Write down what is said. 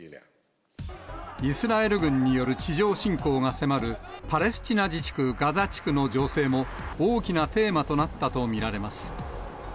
イスラエル軍による地上侵攻が迫るパレスチナ自治区ガザ地区の情勢も、大きなテーマとなったと見られます。